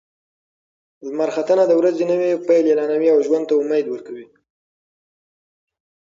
لمر ختنه د ورځې نوی پیل اعلانوي او ژوند ته امید ورکوي.